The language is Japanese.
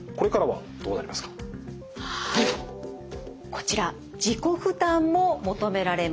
こちら自己負担も求められます。